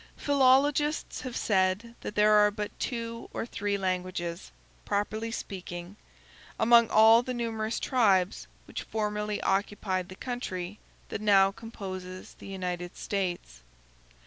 Philologists have said that there are but two or three languages, properly speaking, among all the numerous tribes which formerly occupied the country that now composes the United States.